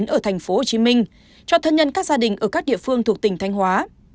ở tp hcm cho thân nhân các gia đình ở các địa phương thuộc tỉnh thanh hóa